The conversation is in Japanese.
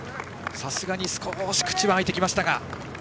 さすがに少し口は開いてきました。